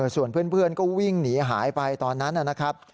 ส่วนเพื่อนก็วิ่งหนีหายไปตอนนั้นนะครับ